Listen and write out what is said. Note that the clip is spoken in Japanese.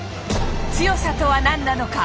強さとは何なのか？